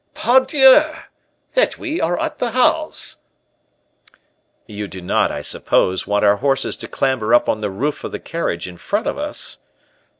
"Pardieu! that we are at the Halles!" "You do not, I suppose, want our horses to clamber up on the roof of the carriage in front of us?"